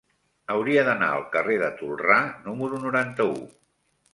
Hauria d'anar al carrer de Tolrà número noranta-u.